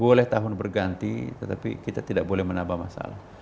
boleh tahun berganti tetapi kita tidak boleh menambah masalah